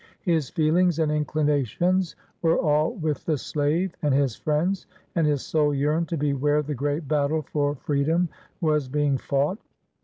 His feelings and inclinations were all with the slave and his friends, and his soul yearned to be where the great battle for freedom was being fought.